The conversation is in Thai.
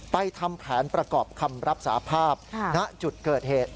ทำแผนประกอบคำรับสาภาพณจุดเกิดเหตุ